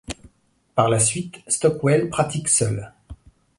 Par la suite, Stockwell pratique seul.